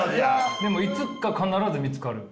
でも「いつか必ず見つかる」。